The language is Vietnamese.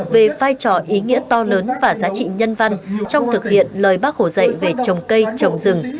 về vai trò ý nghĩa to lớn và giá trị nhân văn trong thực hiện lời bác hồ dạy về trồng cây trồng rừng